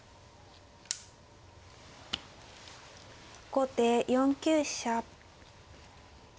後手４九飛車。